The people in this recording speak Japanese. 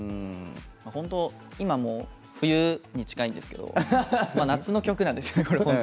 今、冬に近いんですけれど夏の曲なんですよね、これ。